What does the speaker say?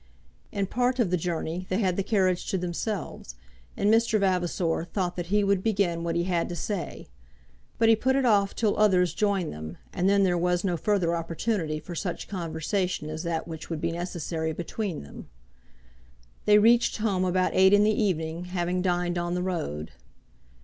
In part of the journey they had the carriage to themselves, and Mr. Vavasor thought that he would begin what he had to say; but he put it off till others joined them, and then there was no further opportunity for such conversation as that which would be necessary between them. They reached home about eight in the evening, having dined on the road.